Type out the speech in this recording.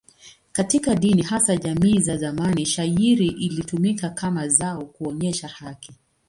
Katika dini, hasa jamii za zamani, shayiri ilitumika kama zao kuonyesha haki.